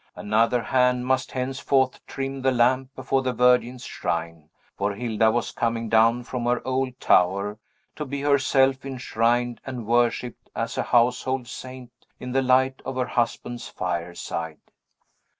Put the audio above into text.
Another hand must henceforth trim the lamp before the Virgin's shrine; for Hilda was coming down from her old tower, to be herself enshrined and worshipped as a household saint, in the light of her husband's fireside.